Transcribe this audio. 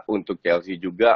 untuk chelsea juga